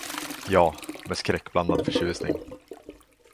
Ja, med skräckblandad förtjusning.